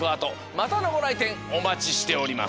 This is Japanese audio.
またのごらいてんおまちしております。